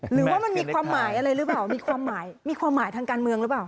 หรือว่ามันมีความหมายอะไรรึเปล่ามีความหมายทางการเมืองรึเปล่า